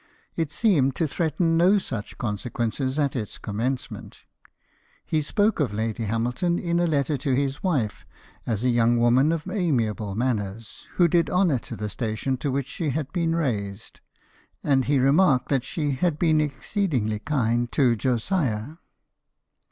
It seemed to threaten no such consequences at its commencement. He spoke of Lady Hamilton, in a letter to his wife, as a young woman of amiable manners, who did honour to the station to which she had been raised ; and he remarked that she had been exceedingly kind to Josiah.